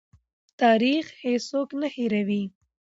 تاریخ هېڅوک نه هېروي.